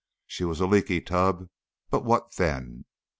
She was a leaky tub, but what then?